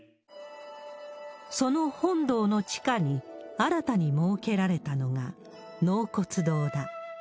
その本堂の地下に新たに設けられたのが納骨堂だ。